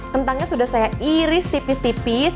kentangnya sudah saya iris tipis tipis